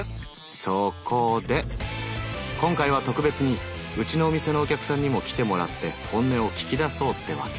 そこで今回は特別にうちのお店のお客さんにも来てもらって本音を聞き出そうってワケ。